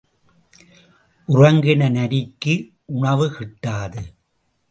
உறங்கின நரிக்கு உணவு கிட்டாது.